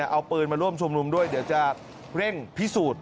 เอาปืนมาร่วมชุมนุมด้วยเดี๋ยวจะเร่งพิสูจน์